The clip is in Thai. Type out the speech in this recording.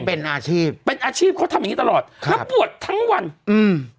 เป็นอาชีพเป็นอาชีพเขาทำอย่างงี้ตลอดครับแล้วปวดทั้งวันอืม